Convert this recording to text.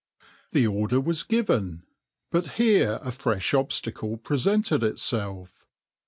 The order was given; but here a fresh obstacle presented itself.